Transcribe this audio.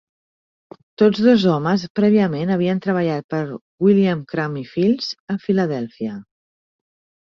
Tots dos homes prèviament havien treballat per William Cramp i Fills a Filadèlfia.